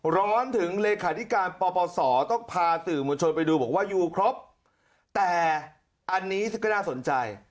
ร้อนถึงเลขาธิการปปศต้องพาสื่อมวลชนไปดูบอกว่าอยู่ครบแต่อันนี้ก็น่าสนใจ